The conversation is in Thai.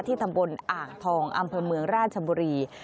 ตำบลอ่างทองอำเภอเมืองราชบุรี